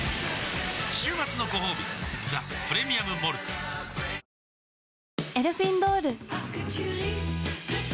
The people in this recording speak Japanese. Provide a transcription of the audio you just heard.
週末のごほうび「ザ・プレミアム・モルツ」ねえねえ